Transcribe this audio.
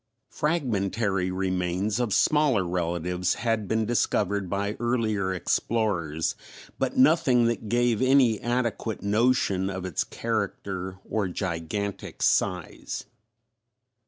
Fragmentary remains of smaller relatives had been discovered by earlier explorers but nothing that gave any adequate notion of its character or gigantic size.